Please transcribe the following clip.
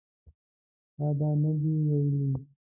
تا دا نه دي ویلي